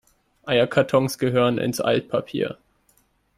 Eierkartons gehören ins Altpapier.